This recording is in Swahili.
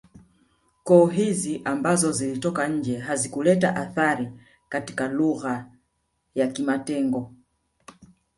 Koo hizi ambazo zilitoka nje hazikuleta athari katika lugha ya kimatengo